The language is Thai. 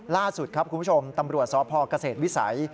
ล่าสุดครับคุณผู้ชมตำรวจสพเกษตรวิสัย